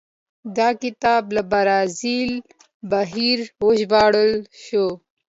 دا کتاب له برازیل بهر وژباړل شو.